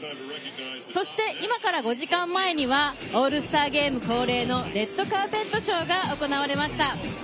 そして、今から５時間前にはオールスターゲーム恒例のレッドカーペットショーが行われました。